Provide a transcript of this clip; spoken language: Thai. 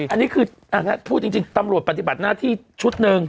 อันนี้คือพูดจริงตำรวจปฏิบัติหน้าที่ชุดหนึ่ง